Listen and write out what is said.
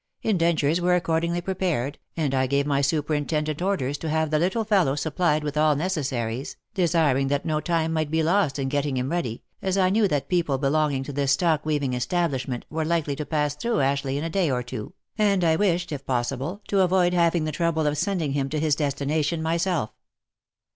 Indentures were accordingly prepared, and I gave my superintendent orders to have the little fellow supplied with all necessaries, desiring that no time might be lost in getting him ready, as I knew that people belonging to this stocking weaving establishment were likely to pass through Ashlei° h in a day or two, and I wished, if ]>ossible, to avoid having the trouble of sending him to his destination myself.